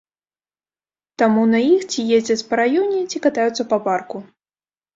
Таму на іх ці ездзяць па раёне, ці катаюцца па парку.